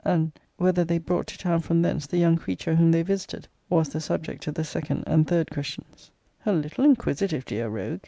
and, 'Whether they brought to town from thence the young creature whom they visited?' was the subject of the second and third questions. A little inquisitive, dear rogue!